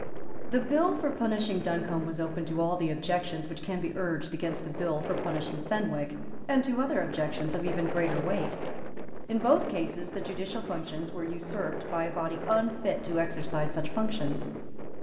The bill for punishing Duncombe was open to all the objections which can be urged against the bill for punishing Fenwick, and to other objections of even greater weight. In both cases the judicial functions were usurped by a body unfit to exercise such functions.